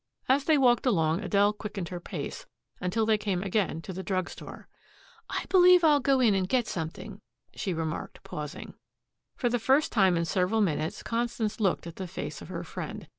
As they walked along Adele quickened her pace, until they came again to the drug store. "I believe I'll go in and get something," she remarked, pausing. For the first time in several minutes Constance looked at the face of her friend.